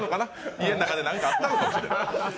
家の中で何かあったのかもしれない。